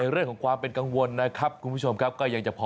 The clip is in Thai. เรื่องของกังวลก็ยังพอ